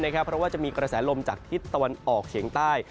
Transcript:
เพราะว่าจะมีกระแสลมจากทิศตะวันออกเฉียงใต้